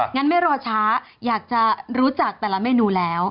งั้นไม่รอช้าอยากจะรู้จักแต่ละเมนูแล้ว